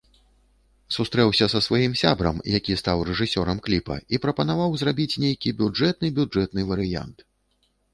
Сустрэўся са сваім сябрам, які стаў рэжысёрам кліпа, і прапанаваў зрабіць нейкі бюджэтны-бюджэтны варыянт.